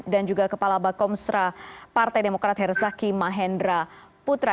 dan juga kepala bakomstra partai demokrat herzaki mahendra putra